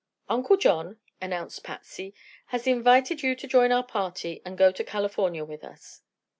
"Uncle John," announced Patsy, "has invited you to join our party and go to California with us."